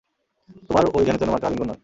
তোমার ঐ যেন-তেন মার্কা আলিঙ্গণ নয়।